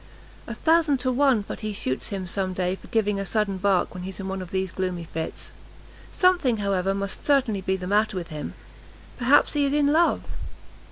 A thousand to one but he shoots him some day for giving a sudden bark when he's in one of these gloomy fits. Something, however, must certainly be the matter with him. Perhaps he is in love."